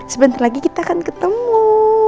sebentar lagi kita akan ketemu